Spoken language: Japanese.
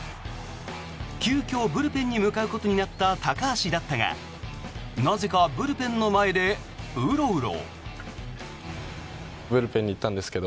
急きょブルペンに向かうことになった高橋だったがなぜかブルペンの前でウロウロ。